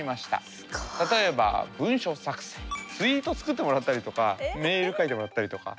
例えば文書作成ツイート作ってもらったりとかメール書いてもらったりとか。